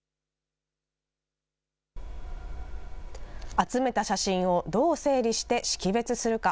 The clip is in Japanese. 集めた写真をどう整理して識別するか。